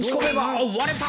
おっ割れた！